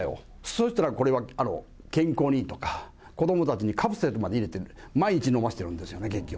そうしたら、これは健康にいいとか、子どもたちにカプセルまで入れてね、毎日飲ませてるんですよね、結局。